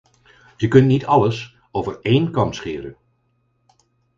Je kunt niet alles over één kam scheren.